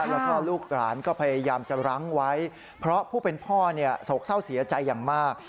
แล้วก็ลูกหลานก็พยายามจะรั้งไว้เพราะผู้เป็นพ่อเนี่ยโศกเศร้าเสียใจอย่างมาก